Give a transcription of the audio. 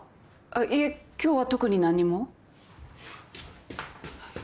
いえ今日は特に何にも。